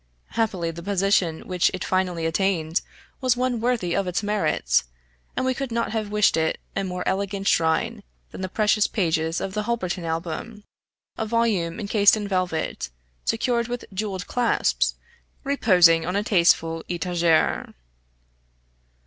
Happily the position which it finally attained was one worthy of its merits, and we could not have wished it a more elegant shrine than the precious pages of the Holberton Album, a volume encased in velvet, secured with jeweled clasps, reposing on a tasteful etagere.